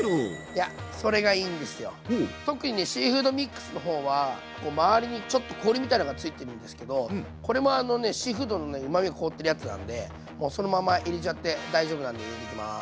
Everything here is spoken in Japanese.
特にねシーフードミックスの方は周りにちょっと氷みたいなのがついてるんですけどこれもあのねシーフードのうまみが凍ってるやつなんでそのまま入れちゃって大丈夫なんで入れていきます。